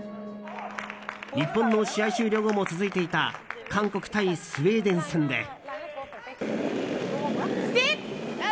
日本の試合終了後も続いていた韓国対スウェーデン戦で。